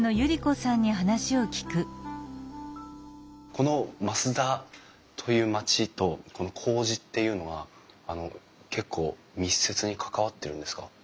この増田という町とこうじっていうのはあの結構密接に関わってるんですか？